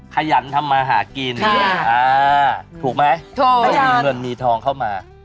ขยันทำมาหากินถูกไหมได้มีเงินมีทองเข้ามา